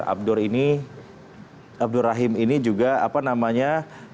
abdur ini abdur rahim ini juga apa namanya